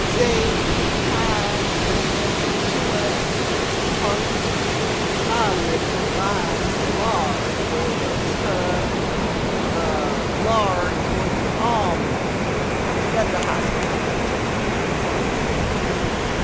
Sage and thyme, and mint and two onions, and some parsley. I will provide lard for the stuff lard for the omelet," said the hospitable gentleman with sandy whiskers.